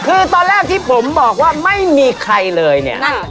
คือตอนแรกที่ผมบอกว่าไม่มีใครเลยเนี่ย